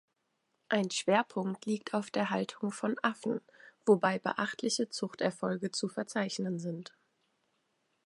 Ein Schwerpunkt liegt auf der Haltung von Affen, wobei beachtliche Zuchterfolge zu verzeichnen sind.